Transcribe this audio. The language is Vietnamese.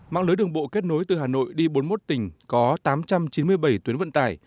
mạng lưới đường bộ kết nối từ hà nội đi bốn mươi một tỉnh có tám trăm chín mươi bảy tuyến vận tải